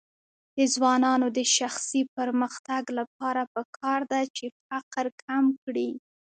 د ځوانانو د شخصي پرمختګ لپاره پکار ده چې فقر کم کړي.